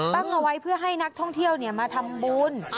ตั้งเอาไว้เพื่อให้นักท่องเที่ยวมาทำบุญ